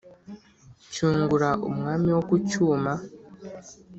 Cyungura umwami wo ku Cyuma